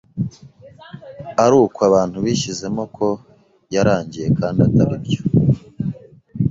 ari uko abantu bishyizemo ko yarangiye kandi atari byo.